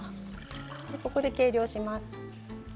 ここで計量します。